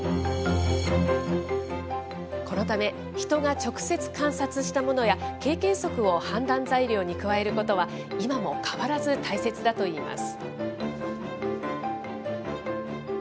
このため、人が直接観察したものや、経験則を判断材料に加えることは、今も変わらず大切だといいます。